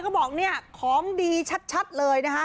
ก็บอกนี่ของดีชัดเลยนะฮะ